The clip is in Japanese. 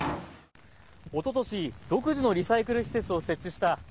おととし独自のリサイクル施設を設置した